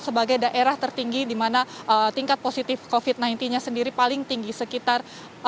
sebagai daerah tertinggi di mana tingkat positif covid sembilan belas nya sendiri paling tinggi sekitar dua empat ratus sembilan puluh tujuh